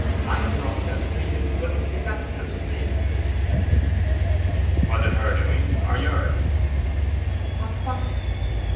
I have lost Elfride, but is that such a sin?' 'Was it her doing, or yours?' 'Was what?